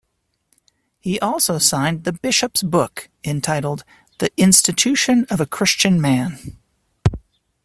He also signed 'the bishops' book,' entitled "The Institution of a Christian Man".